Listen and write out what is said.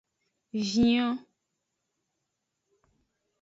Vion.